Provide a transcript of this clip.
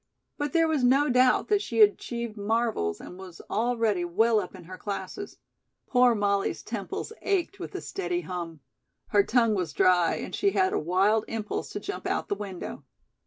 But there was no doubt that she achieved marvels and was already well up in her classes. Poor Molly's temples ached with the steady hum. Her tongue was dry and she had a wild impulse to jump out the window.